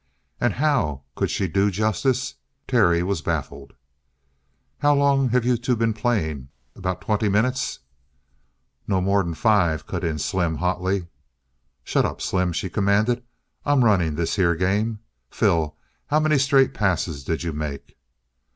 And how could she do justice? Terry was baffled. "How long you two been playing?" "About twenty minutes." "Not more'n five!" cut in Slim hotly. "Shut up, Slim!" she commanded. "I'm running this here game; Phil, how many straight passes did you make?"